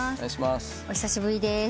お久しぶりです。